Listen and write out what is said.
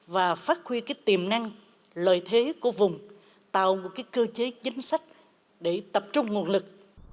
và phát huy tiềm năng lợi thế của vùng tạo một cơ chế chính sách để tập trung nguồn lực